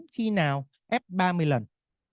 khi nào ép ba mươi lần